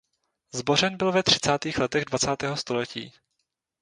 Zbořen byl ve třicátých letech dvacátého století.